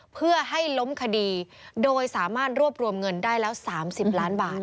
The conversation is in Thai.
เพื่อให้ล้มคดีโดยสามารถรวบรวมเงินได้แล้ว๓๐ล้านบาท